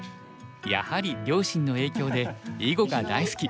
やはり両親の影響で囲碁が大好き。